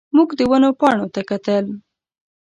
موږ د ونو پاڼو ته کتل.